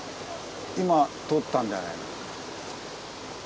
今とったんじゃないの。